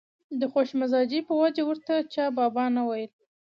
د خوش مزاجۍ په وجه ورته چا بابا نه ویل.